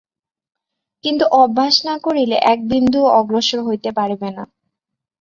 কিন্তু অভ্যাস না করিলে এক বিন্দুও অগ্রসর হইতে পারিবে না।